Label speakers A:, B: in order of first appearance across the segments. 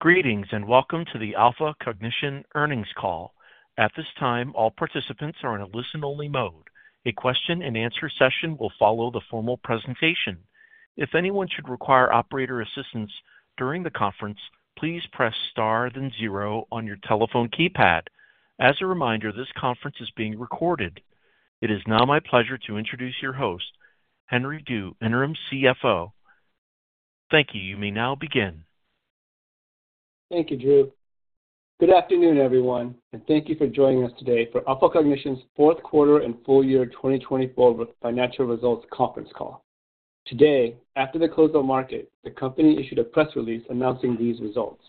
A: Greetings and welcome to the Alpha Cognition Earnings Call. At this time, all participants are in a listen-only mode. A question-and-answer session will follow the formal presentation. If anyone should require operator assistance during the conference, please press star then zero on your telephone keypad. As a reminder, this conference is being recorded. It is now my pleasure to introduce your host, Henry Du, Interim CFO. Thank you. You may now begin.
B: Thank you, Drew. Good afternoon, everyone, and thank you for joining us today for Alpha Cognition's Fourth Quarter and Full Year 2024 Financial Results Conference Call. Today, after the close of market, the company issued a press release announcing these results.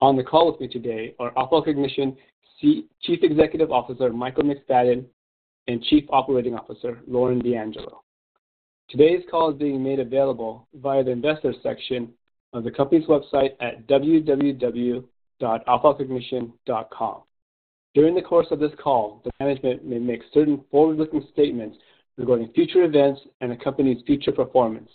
B: On the call with me today are Alpha Cognition Chief Executive Officer Michael McFadden and Chief Operating Officer Lauren D'Angelo. Today's call is being made available via the investor section of the company's website at www.alphacognition.com. During the course of this call, the management may make certain forward-looking statements regarding future events and the company's future performance.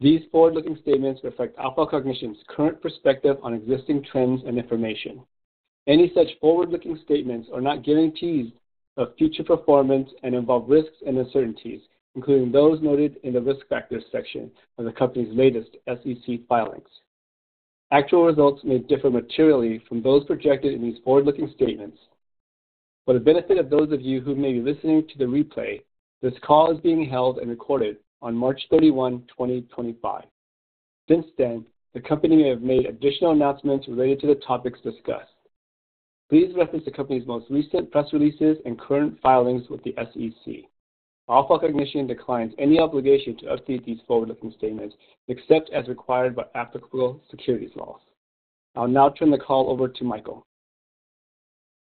B: These forward-looking statements reflect Alpha Cognition's current perspective on existing trends and information. Any such forward-looking statements are not guarantees of future performance and involve risks and uncertainties, including those noted in the risk factors section of the company's latest SEC filings. Actual results may differ materially from those projected in these forward-looking statements. For the benefit of those of you who may be listening to the replay, this call is being held and recorded on March 31, 2025. Since then, the company may have made additional announcements related to the topics discussed. Please reference the company's most recent press releases and current filings with the SEC. Alpha Cognition declines any obligation to update these forward-looking statements except as required by applicable securities laws. I'll now turn the call over to Michael.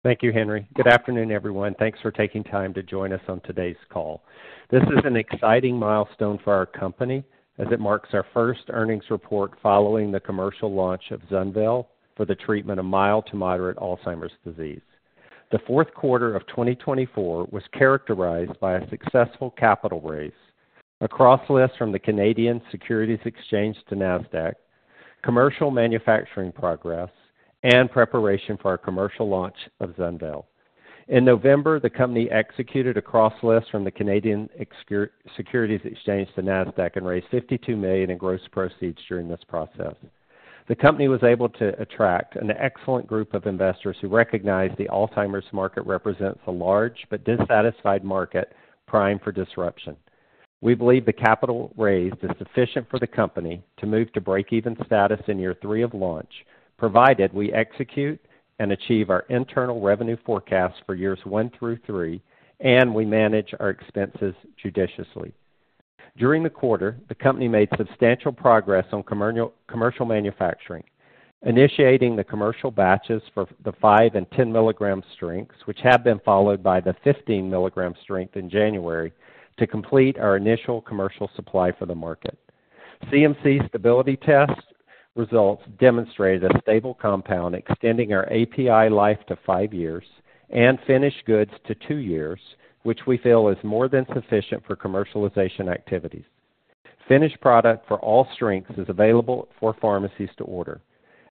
C: Thank you, Henry. Good afternoon, everyone. Thanks for taking time to join us on today's call. This is an exciting milestone for our company as it marks our first earnings report following the commercial launch of ZUNVEYL for the treatment of mild to moderate Alzheimer's disease. The fourth quarter of 2024 was characterized by a successful capital raise, a cross-list from the Canadian Securities Exchange to NASDAQ, commercial manufacturing progress, and preparation for our commercial launch of ZUNVEYL. In November, the company executed a cross-list from the Canadian Securities Exchange to NASDAQ and raised $52 million in gross proceeds during this process. The company was able to attract an excellent group of investors who recognize the Alzheimer's market represents a large but dissatisfied market primed for disruption. We believe the capital raised is sufficient for the company to move to break-even status in year three of launch, provided we execute and achieve our internal revenue forecasts for years one through three, and we manage our expenses judiciously. During the quarter, the company made substantial progress on commercial manufacturing, initiating the commercial batches for the 5 and 10 mg strengths, which have been followed by the 15 mg strength in January to complete our initial commercial supply for the market. CMC stability test results demonstrate a stable compound extending our API life to five years and finished goods to two years, which we feel is more than sufficient for commercialization activities. Finished product for all strengths is available for pharmacies to order.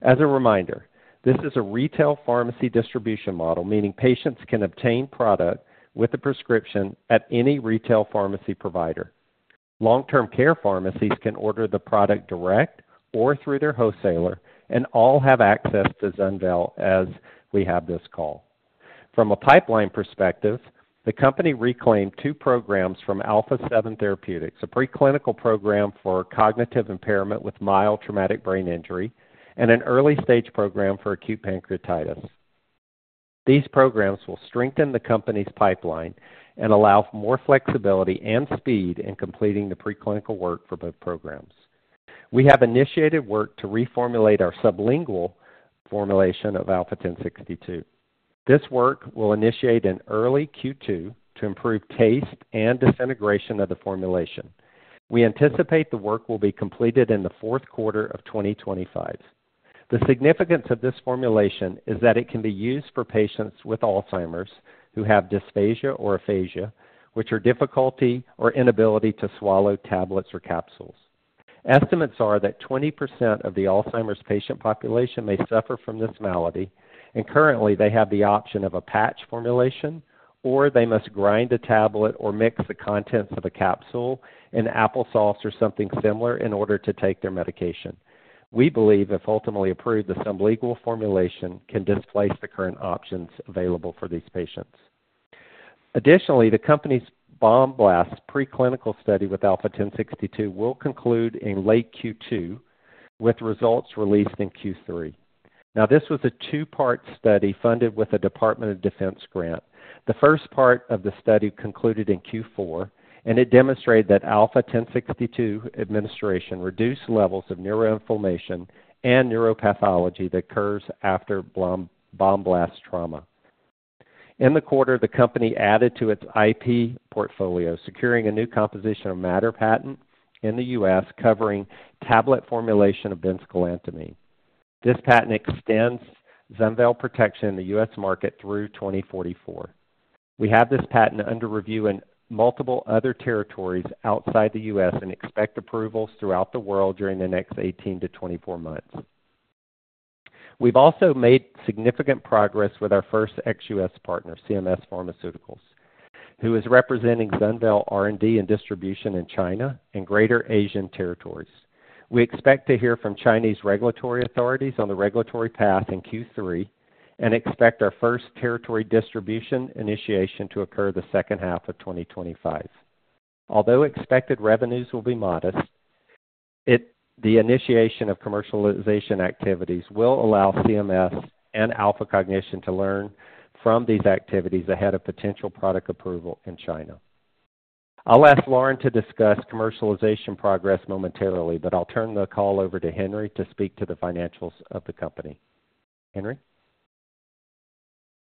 C: As a reminder, this is a retail pharmacy distribution model, meaning patients can obtain product with a prescription at any retail pharmacy provider. Long-term care pharmacies can order the product direct or through their wholesaler and all have access to ZUNVEYL as we have this call. From a pipeline perspective, the company reclaimed two programs from Alpha Seven Therapeutics, a preclinical program for cognitive impairment with mild traumatic brain injury and an early-stage program for acute pancreatitis. These programs will strengthen the company's pipeline and allow more flexibility and speed in completing the preclinical work for both programs. We have initiated work to reformulate our sublingual formulation of Alpha-1062. This work will initiate in early Q2 to improve taste and disintegration of the formulation. We anticipate the work will be completed in the fourth quarter of 2025. The significance of this formulation is that it can be used for patients with Alzheimer's who have dysphagia or aphagia, which are difficulty or inability to swallow tablets or capsules. Estimates are that 20% of the Alzheimer's patient population may suffer from this malady, and currently, they have the option of a patch formulation or they must grind a tablet or mix the contents of a capsule in applesauce or something similar in order to take their medication. We believe if ultimately approved, the sublingual formulation can displace the current options available for these patients. Additionally, the company's bomb blast preclinical study with Alpha-1062 will conclude in late Q2 with results released in Q3. Now, this was a two-part study funded with a Department of Defense grant. The first part of the study concluded in Q4, and it demonstrated that Alpha-1062 administration reduced levels of neuroinflammation and neuropathology that occurs after bomb blast trauma. In the quarter, the company added to its IP portfolio, securing a new composition of matter patent in the U.S. covering tablet formulation of benzgalantamine. This patent extends ZUNVEYL protection in the U.S. market through 2044. We have this patent under review in multiple other territories outside the U.S. and expect approvals throughout the world during the next 18-24 months. We've also made significant progress with our first ex-U.S. partner, CMS Pharmaceuticals, who is representing ZUNVEYL R&D and distribution in China and greater Asian territories. We expect to hear from Chinese regulatory authorities on the regulatory path in Q3 and expect our first territory distribution initiation to occur the second half of 2025. Although expected revenues will be modest, the initiation of commercialization activities will allow CMS and Alpha Cognition to learn from these activities ahead of potential product approval in China. I'll ask Lauren to discuss commercialization progress momentarily, but I'll turn the call over to Henry to speak to the financials of the company. Henry?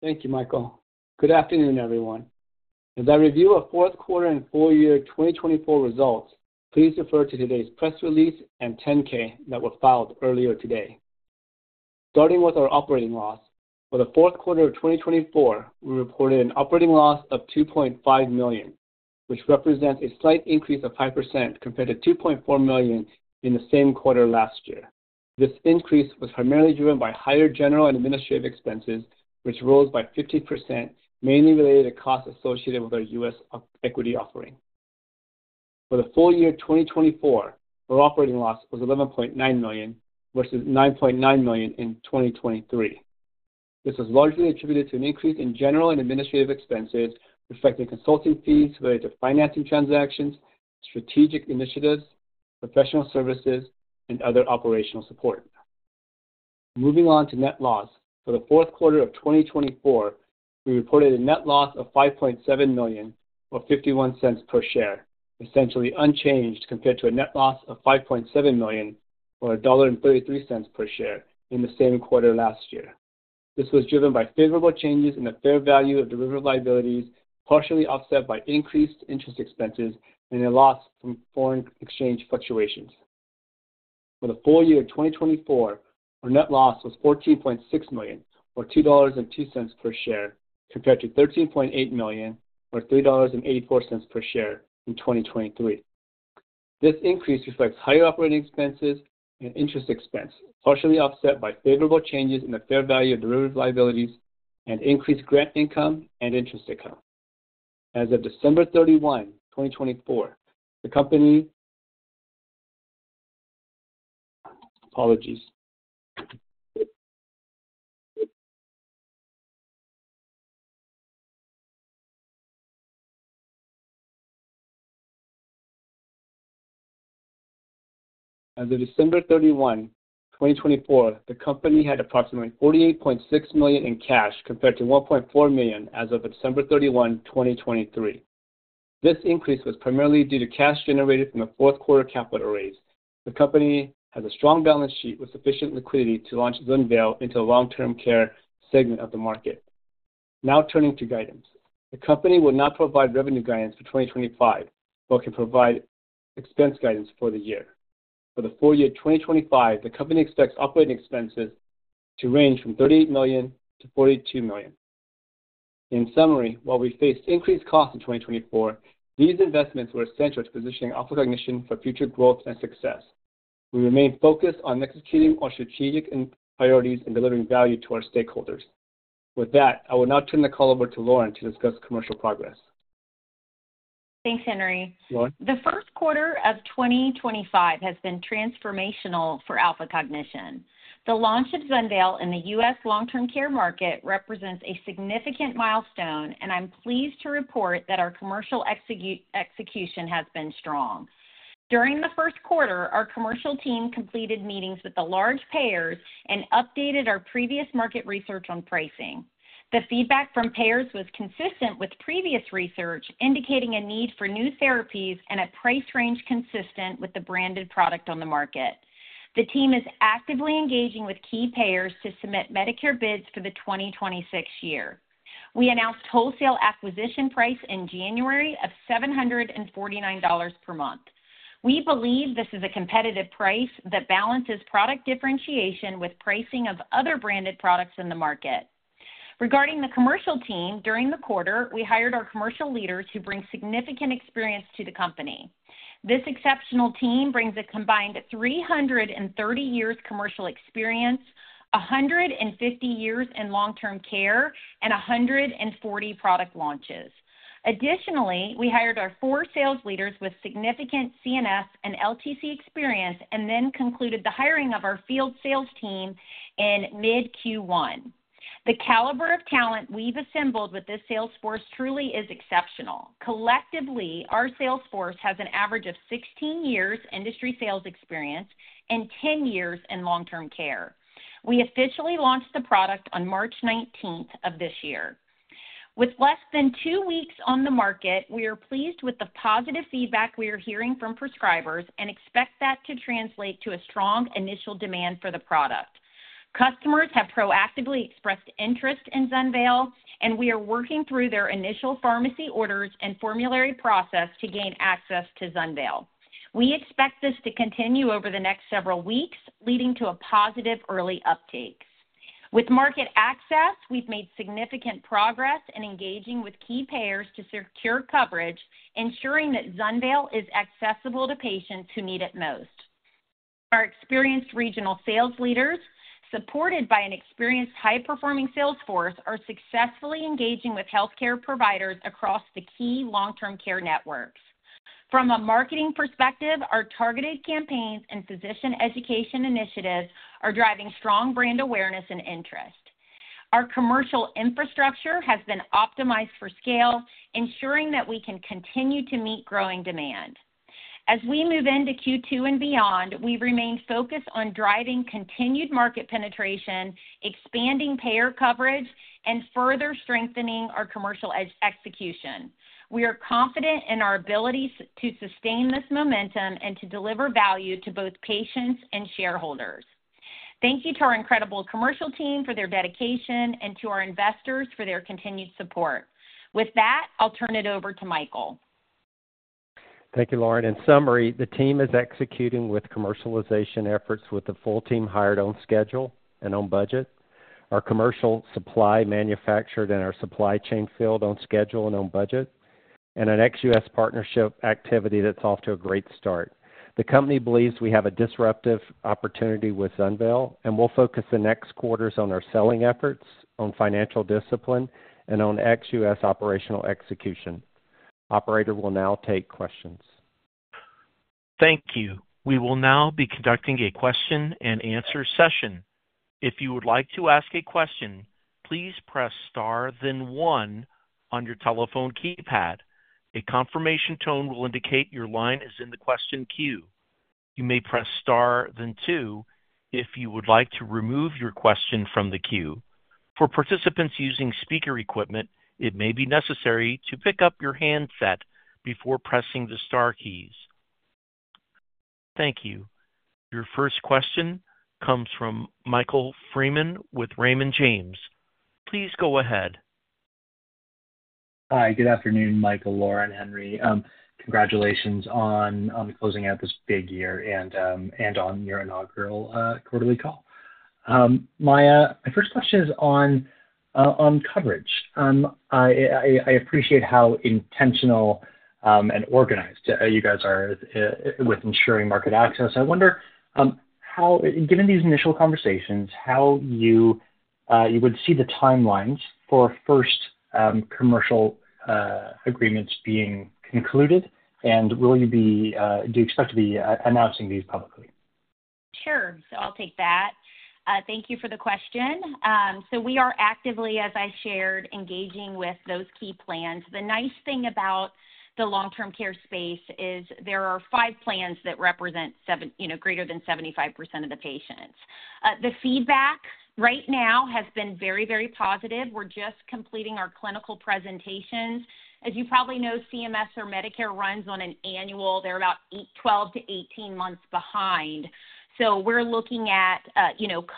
B: Thank you, Michael. Good afternoon, everyone. As I review our fourth quarter and full year 2024 results, please refer to today's press release and 10-K that were filed earlier today. Starting with our operating loss, for the fourth quarter of 2024, we reported an operating loss of $2.5 million, which represents a slight increase of 5% compared to $2.4 million in the same quarter last year. This increase was primarily driven by higher general and administrative expenses, which rose by 50%, mainly related to costs associated with our U.S. equity offering. For the full year 2024, our operating loss was $11.9 million versus $9.9 million in 2023. This was largely attributed to an increase in general and administrative expenses reflecting consulting fees related to financing transactions, strategic initiatives, professional services, and other operational support. Moving on to net loss, for the fourth quarter of 2024, we reported a net loss of $5.7 million or $0.51 per share, essentially unchanged compared to a net loss of $5.7 million or $1.33 per share in the same quarter last year. This was driven by favorable changes in the fair value of derivative liabilities, partially offset by increased interest expenses and a loss from foreign exchange fluctuations. For the full year 2024, our net loss was $14.6 million or $2.02 per share compared to $13.8 million or $3.84 per share in 2023. This increase reflects higher operating expenses and interest expense, partially offset by favorable changes in the fair value of derivative liabilities and increased grant income and interest income. As of December 31, 2024, the company—apologies. As of December 31, 2024, the company had approximately $48.6 million in cash compared to $1.4 million as of December 31, 2023. This increase was primarily due to cash generated from the fourth quarter capital raise. The company has a strong balance sheet with sufficient liquidity to launch ZUNVEYL into the long-term care segment of the market. Now turning to guidance, the company will not provide revenue guidance for 2025, but can provide expense guidance for the year. For the full year 2025, the company expects operating expenses to range from $38 million-$42 million. In summary, while we faced increased costs in 2024, these investments were essential to positioning Alpha Cognition for future growth and success. We remain focused on executing our strategic priorities and delivering value to our stakeholders. With that, I will now turn the call over to Lauren to discuss commercial progress.
D: Thanks, Henry. The first quarter of 2025 has been transformational for Alpha Cognition. The launch of ZUNVEYL in the U.S. long-term care market represents a significant milestone, and I'm pleased to report that our commercial execution has been strong. During the first quarter, our commercial team completed meetings with the large payers and updated our previous market research on pricing. The feedback from payers was consistent with previous research, indicating a need for new therapies and a price range consistent with the branded product on the market. The team is actively engaging with key payers to submit Medicare bids for the 2026 year. We announced wholesale acquisition price in January of $749 per month. We believe this is a competitive price that balances product differentiation with pricing of other branded products in the market. Regarding the commercial team, during the quarter, we hired our commercial leaders who bring significant experience to the company. This exceptional team brings a combined 330 years commercial experience, 150 years in long-term care, and 140 product launches. Additionally, we hired our four sales leaders with significant CNS and LTC experience and then concluded the hiring of our field sales team in mid-Q1. The caliber of talent we've assembled with this sales force truly is exceptional. Collectively, our sales force has an average of 16 years industry sales experience and 10 years long-term care. We officially launched the product on March 19th of this year. With less than two weeks on the market, we are pleased with the positive feedback we are hearing from prescribers and expect that to translate to a strong initial demand for the product. Customers have proactively expressed interest in ZUNVEYL, and we are working through their initial pharmacy orders and formulary process to gain access to ZUNVEYL. We expect this to continue over the next several weeks, leading to a positive early uptake. With market access, we've made significant progress in engaging with key payers to secure coverage, ensuring that ZUNVEYL is accessible to patients who need it most. Our experienced regional sales leaders, supported by an experienced high-performing sales force, are successfully engaging with healthcare providers across the key long-term care networks. From a marketing perspective, our targeted campaigns and physician education initiatives are driving strong brand awareness and interest. Our commercial infrastructure has been optimized for scale, ensuring that we can continue to meet growing demand. As we move into Q2 and beyond, we remain focused on driving continued market penetration, expanding payer coverage, and further strengthening our commercial execution. We are confident in our ability to sustain this momentum and to deliver value to both patients and shareholders. Thank you to our incredible commercial team for their dedication and to our investors for their continued support. With that, I'll turn it over to Michael.
C: Thank you, Lauren. In summary, the team is executing with commercialization efforts with the full team hired on schedule and on budget. Our commercial supply manufactured in our supply chain filled on schedule and on budget, and an ex-U.S. partnership activity that's off to a great start. The company believes we have a disruptive opportunity with ZUNVEYL, and we'll focus the next quarters on our selling efforts, on financial discipline, and on ex-U.S. operational execution. Operator will now take questions.
A: Thank you. We will now be conducting a question-and-answer session. If you would like to ask a question, please press star, then one on your telephone keypad. A confirmation tone will indicate your line is in the question queue. You may press star, then two if you would like to remove your question from the queue. For participants using speaker equipment, it may be necessary to pick up your handset before pressing the star keys. Thank you. Your first question comes from Michael Freeman with Raymond James. Please go ahead.
E: Hi, good afternoon, Michael, Lauren, Henry. Congratulations on closing out this big year and on your inaugural quarterly call. My first question is on coverage. I appreciate how intentional and organized you guys are with ensuring market access. I wonder, given these initial conversations, how you would see the timelines for first commercial agreements being concluded, and will you be—do you expect to be announcing these publicly?
D: Sure. I'll take that. Thank you for the question. We are actively, as I shared, engaging with those key plans. The nice thing about the long-term care space is there are five plans that represent greater than 75% of the patients. The feedback right now has been very, very positive. We're just completing our clinical presentations. As you probably know, CMS or Medicare runs on an annual—they're about 12-18 months behind. We're looking at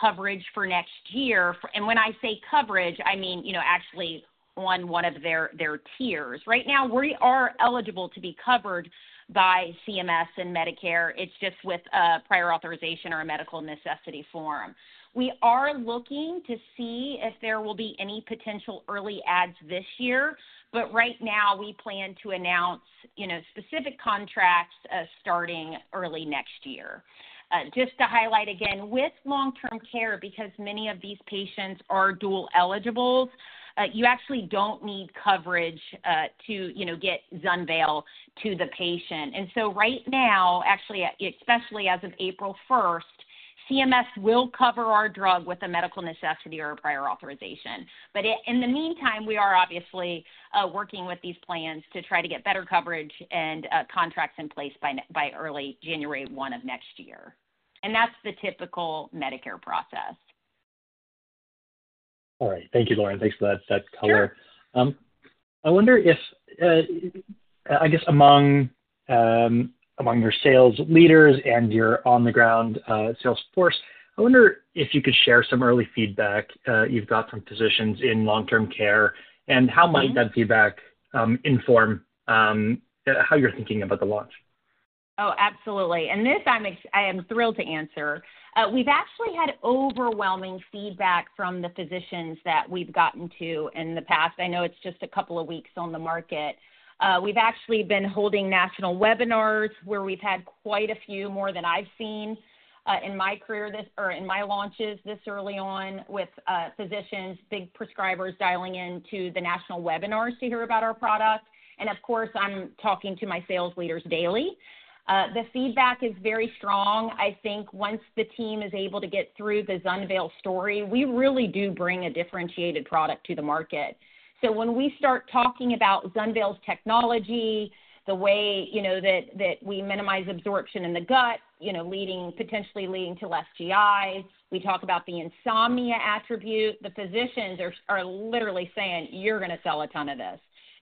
D: coverage for next year. When I say coverage, I mean actually on one of their tiers. Right now, we are eligible to be covered by CMS and Medicare. It's just with prior authorization or a medical necessity form. We are looking to see if there will be any potential early adds this year, but right now, we plan to announce specific contracts starting early next year. Just to highlight again, with long-term care, because many of these patients are dual eligibles, you actually do not need coverage to get ZUNVEYL to the patient. Right now, actually, especially as of April 1, CMS will cover our drug with a medical necessity or a prior authorization. In the meantime, we are obviously working with these plans to try to get better coverage and contracts in place by early January 1 of next year. That is the typical Medicare process.
E: All right. Thank you, Lauren. Thanks for that color. I wonder if, I guess, among your sales leaders and your on-the-ground sales force, I wonder if you could share some early feedback you've got from physicians in long-term care and how might that feedback inform how you're thinking about the launch?
D: Oh, absolutely. I am thrilled to answer. We've actually had overwhelming feedback from the physicians that we've gotten to in the past. I know it's just a couple of weeks on the market. We've actually been holding national webinars where we've had quite a few, more than I've seen in my career or in my launches this early on with physicians, big prescribers dialing into the national webinars to hear about our product. Of course, I'm talking to my sales leaders daily. The feedback is very strong. I think once the team is able to get through the ZUNVEYL story, we really do bring a differentiated product to the market. When we start talking about ZUNVEYL's technology, the way that we minimize absorption in the gut, potentially leading to less GI, we talk about the insomnia attribute, the physicians are literally saying, "You're going to sell a ton of this."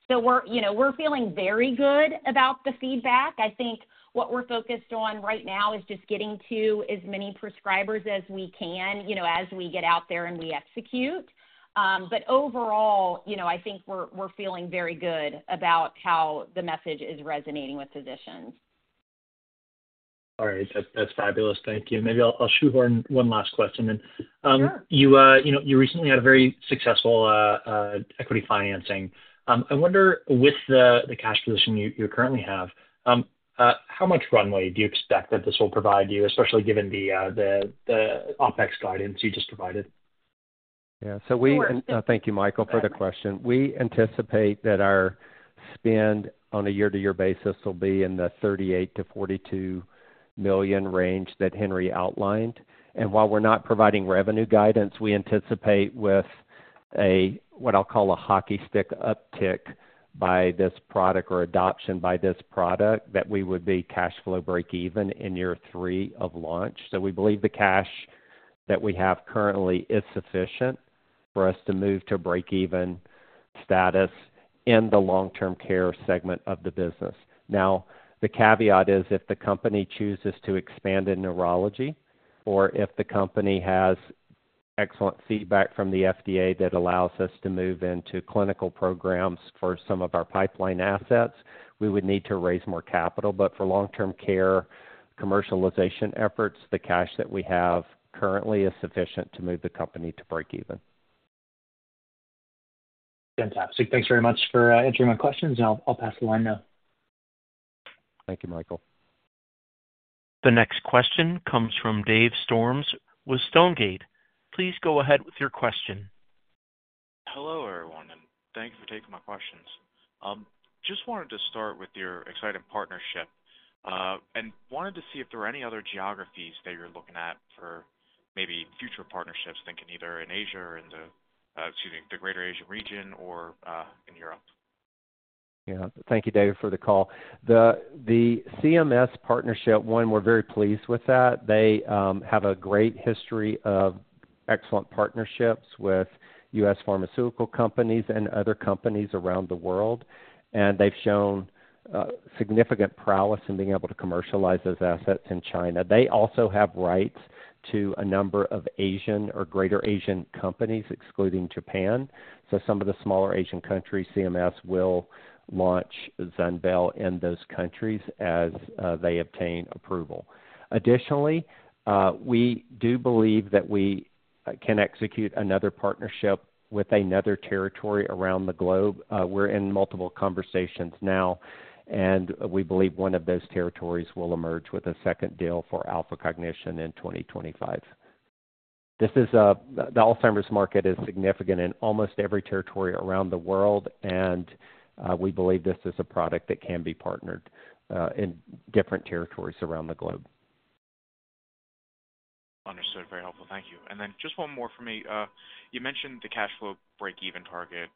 D: We are feeling very good about the feedback. I think what we are focused on right now is just getting to as many prescribers as we can as we get out there and we execute. Overall, I think we are feeling very good about how the message is resonating with physicians.
E: All right. That's fabulous. Thank you. Maybe I'll shoehorn one last question. You recently had a very successful equity financing. I wonder, with the cash position you currently have, how much runway do you expect that this will provide you, especially given the OpEx guidance you just provided?
C: Yeah. Thank you, Michael, for the question. We anticipate that our spend on a year-to-year basis will be in the $38 million-$42 million range that Henry outlined. While we're not providing revenue guidance, we anticipate with what I'll call a hockey stick uptick by this product or adoption by this product that we would be cash flow break-even in year three of launch. We believe the cash that we have currently is sufficient for us to move to break-even status in the long-term care segment of the business. The caveat is if the company chooses to expand in neurology or if the company has excellent feedback from the FDA that allows us to move into clinical programs for some of our pipeline assets, we would need to raise more capital. For long-term care commercialization efforts, the cash that we have currently is sufficient to move the company to break-even.
E: Fantastic. Thanks very much for answering my questions, and I'll pass the line now.
C: Thank you, Michael.
A: The next question comes from Dave Storms with Stonegate. Please go ahead with your question.
F: Hello, everyone, and thank you for taking my questions. Just wanted to start with your exciting partnership and wanted to see if there are any other geographies that you're looking at for maybe future partnerships, thinking either in Asia or in the, excuse me, the Greater Asia region or in Europe.
C: Yeah. Thank you, Dave, for the call. The CMS partnership, one, we're very pleased with that. They have a great history of excellent partnerships with U.S. pharmaceutical companies and other companies around the world, and they've shown significant prowess in being able to commercialize those assets in China. They also have rights to a number of Asian or Greater Asian territories, excluding Japan. Some of the smaller Asian countries, CMS will launch ZUNVEYL in those countries as they obtain approval. Additionally, we do believe that we can execute another partnership with another territory around the globe. We're in multiple conversations now, and we believe one of those territories will emerge with a second deal for Alpha Cognition in 2025. The Alzheimer's market is significant in almost every territory around the world, and we believe this is a product that can be partnered in different territories around the globe.
F: Understood. Very helpful. Thank you. Just one more for me. You mentioned the cash flow break-even target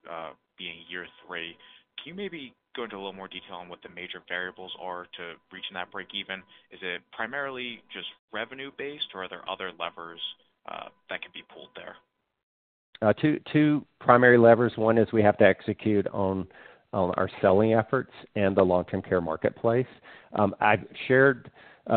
F: being year three. Can you maybe go into a little more detail on what the major variables are to reaching that break-even? Is it primarily just revenue-based, or are there other levers that can be pulled there?
C: Two primary levers. One is we have to execute on our selling efforts in the long-term care marketplace. I've shared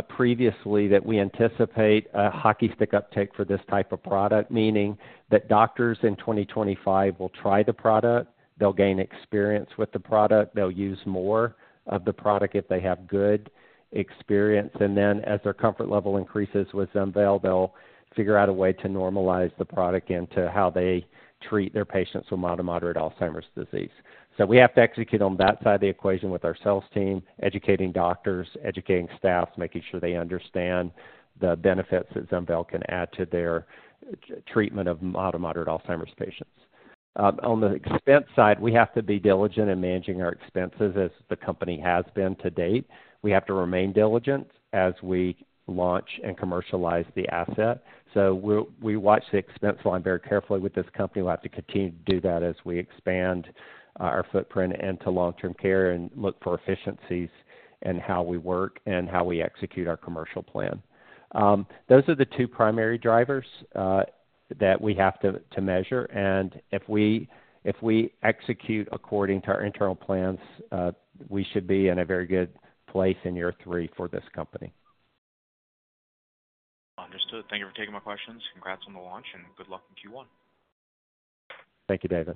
C: previously that we anticipate a hockey stick uptick for this type of product, meaning that doctors in 2025 will try the product. They'll gain experience with the product. They'll use more of the product if they have good experience. As their comfort level increases with ZUNVEYL, they'll figure out a way to normalize the product into how they treat their patients with mild to moderate Alzheimer's disease. We have to execute on that side of the equation with our sales team, educating doctors, educating staff, making sure they understand the benefits that ZUNVEYL can add to their treatment of mild to moderate Alzheimer's patients. On the expense side, we have to be diligent in managing our expenses as the company has been to date. We have to remain diligent as we launch and commercialize the asset. We watch the expense line very carefully with this company. We'll have to continue to do that as we expand our footprint into long-term care and look for efficiencies in how we work and how we execute our commercial plan. Those are the two primary drivers that we have to measure. If we execute according to our internal plans, we should be in a very good place in year three for this company.
F: Understood. Thank you for taking my questions. Congrats on the launch and good luck in Q1.
C: Thank you, Dave.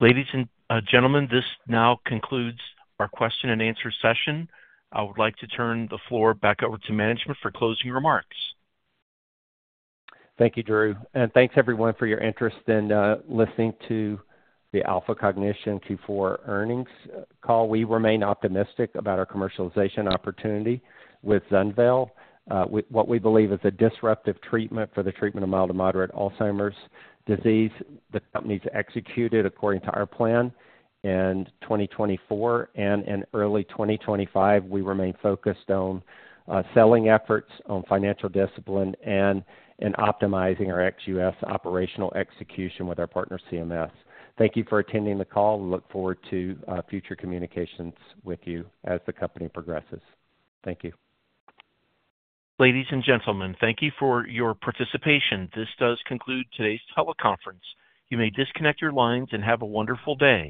A: Ladies and gentlemen, this now concludes our question-and-answer session. I would like to turn the floor back over to management for closing remarks.
C: Thank you, Drew. Thank you, everyone, for your interest in listening to the Alpha Cognition Q4 earnings call. We remain optimistic about our commercialization opportunity with ZUNVEYL, what we believe is a disruptive treatment for the treatment of mild to moderate Alzheimer's disease. The company has executed according to our plan in 2024 and in early 2025. We remain focused on selling efforts, on financial discipline, and in optimizing our ex-U.S. operational execution with our partner CMS. Thank you for attending the call. We look forward to future communications with you as the company progresses. Thank you.
A: Ladies and gentlemen, thank you for your participation. This does conclude today's teleconference. You may disconnect your lines and have a wonderful day.